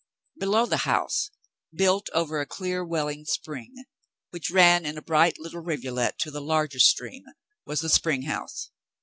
Below the house, built over a clear v*^elling spring which ran in a bright little rivulet to the larger stream, was the spring house.